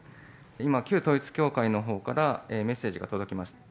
今、旧統一教会のほうからメッセージが届きました。